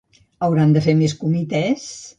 Hauran de fer més comitès?